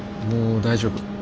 もう大丈夫。